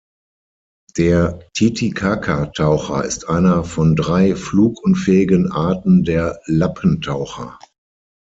Der Titicaca-Taucher ist einer von drei flugunfähigen Arten der Lappentaucher.